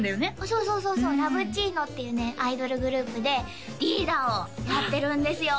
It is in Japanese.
そうそうそうそうＬＯＶＥＣＣｉＮＯっていうねアイドルグループでリーダーをやってるんですよ！